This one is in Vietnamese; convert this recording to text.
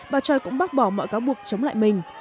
bà choi cũng bác bỏ mọi cáo buộc chống lại mình